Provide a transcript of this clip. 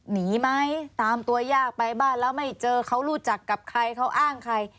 หนีไหมตามตัวยากไปบ้านแล้วไม่เจอเขารู้จักกับใครเขาอ้างใคร